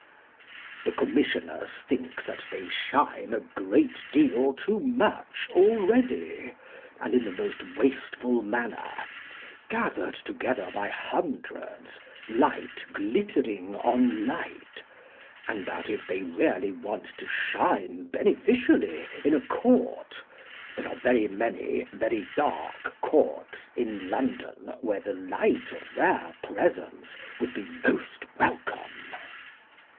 The Commissioners think that they shine a great deal too much already, and in the most wasteful manner, gathered together by hundreds, light glittering on light; and that if they really want to shine beneficially in a court there are very many very dark courts in London where the light of their presence would be most welcome.